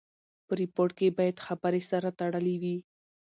په ریپورټ کښي باید خبري سره تړلې وي.